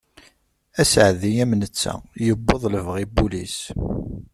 Aseɛdi am netta, yewweḍ lebɣi n wul-is.